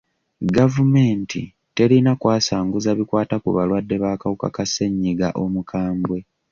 Gavumenti terina kwasanguza bikwata ku balwadde b'akawuka ka ssenyiga omukambwe.